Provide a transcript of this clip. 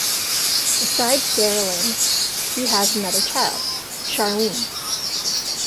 Besides Darylynn, he has another child, Charlene.